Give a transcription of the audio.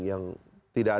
yang tidak ada